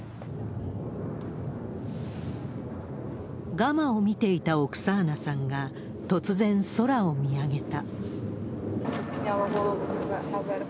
ガマを見ていたオクサーナさんが突然、空を見上げた。